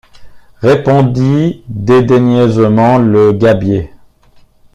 répondit dédaigneusement le gabier.